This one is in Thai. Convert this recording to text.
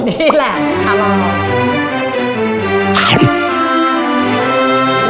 นี่แหละ